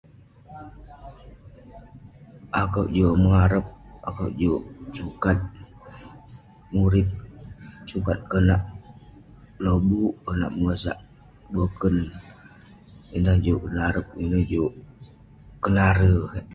Akuek juk mengarep juk sukat murip sukat konak lobuk konak pegosah boken inuek juk tengarep kik ineh juk narei kek